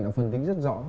đã phân tính rất rõ